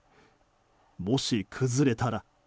もし崩れたら。